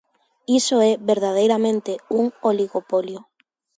Iso é verdadeiramente un oligopolio.